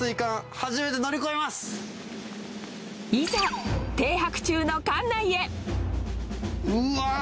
いざ停泊中の艦内へうわぁ！